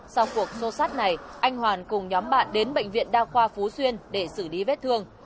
sau cuộc xô sát này anh hoàn cùng nhóm bạn đến bệnh viện đa khoa phú xuyên để xử lý vết thương